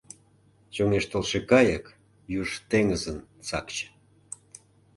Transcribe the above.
Чоҥештылше кайык — юж теҥызын сакче.